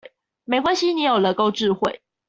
沒關係你有人工智慧